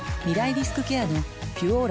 リスクケアの「ピュオーラ」